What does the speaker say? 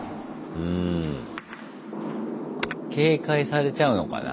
警戒されちゃうのかな？